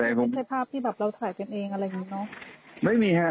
มึงก็คิดว่าไฟภาพที่เราถ่ายเป็นเองอะไรงี้เนาะ